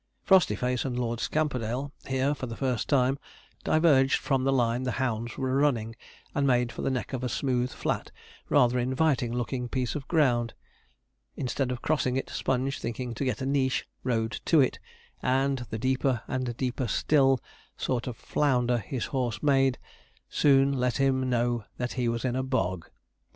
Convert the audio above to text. Frostyface and Lord Scamperdale here for the first time diverged from the line the hounds were running, and made for the neck of a smooth, flat, rather inviting looking piece of ground, instead of crossing it, Sponge, thinking to get a niche, rode to it; and the 'deeper and deeper still' sort of flounder his horse made soon let him know that he was in a bog.